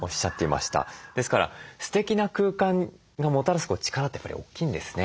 ですからステキな空間がもたらす力ってやっぱり大きいんですね。